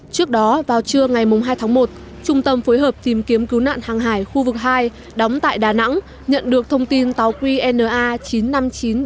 trước đó vào trưa ngày hai tháng một trung tâm phối hợp tìm kiếm cứu nạn hàng hải khu vực hai đóng tại đà nẵng nhận được thông tin tàu qna